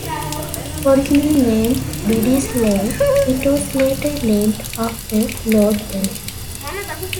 Originally named Biddy's Lane, it was later named after Lord Elgin.